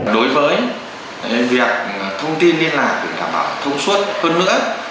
đối với việc thông tin liên lạc để đảm bảo thông suất hơn nữa